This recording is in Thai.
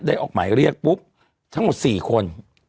ออกหมายเรียกปุ๊บทั้งหมด๔คน